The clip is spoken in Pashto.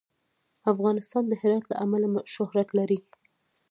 افغانستان د هرات له امله شهرت لري.